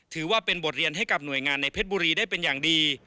ถือว่าเป็นบทเรียนให้กับหน่วยงานในเพชรบุรีได้เป็นอย่างดี